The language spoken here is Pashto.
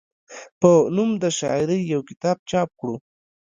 پۀ نوم د شاعرۍ يو کتاب چاپ کړو،